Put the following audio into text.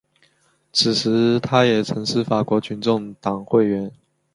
此外他也曾是法国群众党成员。